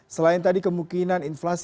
selain tadi kemungkinan inflasi